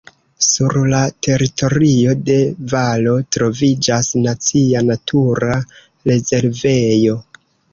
Sur la teritorio de valo troviĝas nacia natura rezervejo.